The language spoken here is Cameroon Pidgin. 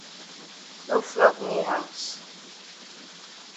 No flop me haus.